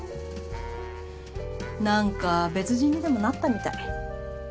なんか別人にでもなったみたい。